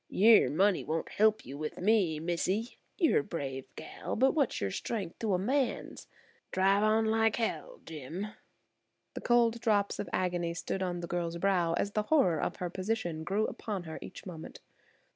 "Yer money won't help you with me, missee. You're a brave gal, but what's your strength to a man's? Drive on like h–, Jim." The cold drops of agony stood on the girl's brow as the horror of her position grew upon her each moment.